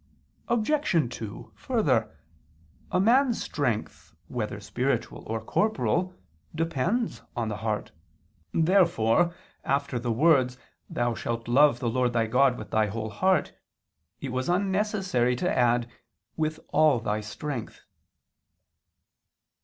Obj. 2: Further, a man's strength whether spiritual or corporal depends on the heart. Therefore after the words, "Thou shalt love the Lord thy God with thy whole heart," it was unnecessary to add, "with all thy strength."